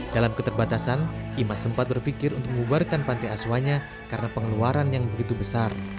dalam keterbatasan imas sempat berpikir untuk membubarkan pantai aswanya karena pengeluaran yang begitu besar